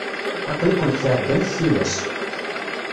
Aql-ikent tεedamt tilas.